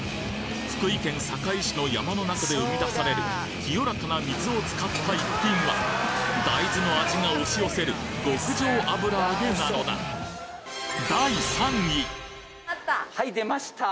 福井県坂井市の山の中で生み出される清らかな水を使った逸品は大豆の味が押し寄せる極上油揚げなのだあった！